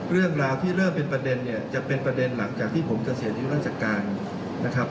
เรื่องราวที่เริ่มเป็นประเด็นเนี่ยจะเป็นประเด็นหลังจากที่ผมเกษียณอายุราชการนะครับ